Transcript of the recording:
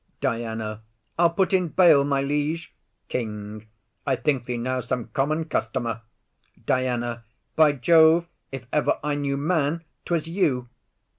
DIANA. I'll put in bail, my liege. KING. I think thee now some common customer. DIANA. By Jove, if ever I knew man, 'twas you.